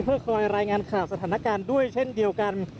เพื่อคอยรายงานข่าวสถานการณ์ด้วยเช่นเดียวกัน